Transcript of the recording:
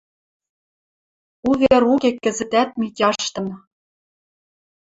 Увер уке кӹзӹтӓт Митяштын...